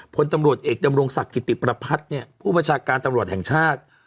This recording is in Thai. พลตำรวจเอกดำรงศักดิ์กิติประพัฒน์เนี่ยผู้บัญชาการตำรวจแห่งชาติ